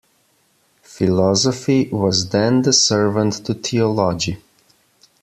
Philosophy was then the servant to theology.